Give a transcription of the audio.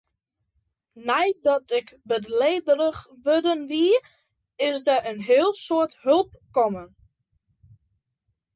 Nei't ik bêdlegerich wurden wie, is der in heel soad help kommen.